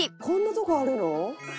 「こんなとこあるの？」